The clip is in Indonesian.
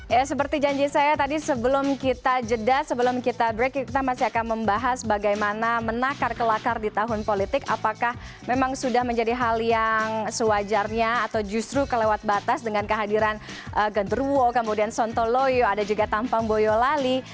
ya seperti janji saya tadi sebelum kita jeda sebelum kita break kita masih akan membahas bagaimana menakar kelakar di tahun politik apakah memang sudah menjadi hal yang sewajarnya atau justru kelewat batas dengan kehadiran gendruwo kemudian sontoloyo ada juga tampang boyolali